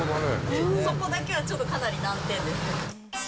そこだけは、ちょっとかなり難点ですね。